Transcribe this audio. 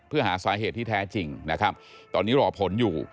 เพื่อหาสาเหตุที่แท้จริงนะครับตอนนี้รอผลอยู่